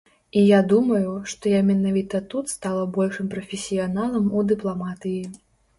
І я думаю, што я менавіта тут стала большым прафесіяналам у дыпламатыі.